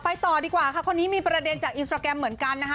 ต่อดีกว่าค่ะคนนี้มีประเด็นจากอินสตราแกรมเหมือนกันนะคะ